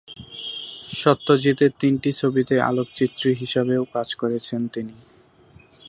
সত্যজিতের তিনটি ছবিতে আলোকচিত্রী হিসেবেও কাজ করেছেন তিনি।